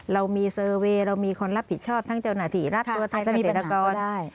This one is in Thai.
เรามีเซอร์เวย์เรามีคนรับผิดชอบทั้งเจ้าหน้าที่รัฐตัวแทนเกษตรกร